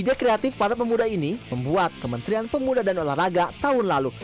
kegiatan kreatif para pemuda ini membuat kementerian pemuda dan olahraga tahun lalu